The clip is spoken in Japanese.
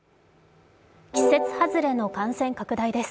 季節外れの感染拡大です。